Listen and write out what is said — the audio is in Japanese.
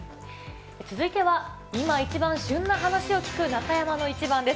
続いては、今一番旬な話を聞く、中山のイチバンです。